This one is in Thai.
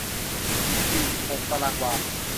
สี่สิบหกตารางวา